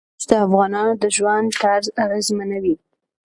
هندوکش د افغانانو د ژوند طرز اغېزمنوي.